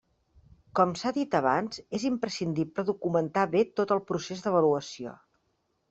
Com s’ha dit abans, és imprescindible documentar bé tot el procés d’avaluació.